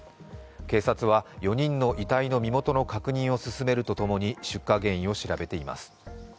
警察は４人の遺体の身元の確認を進めると共に、出火原因を調べています。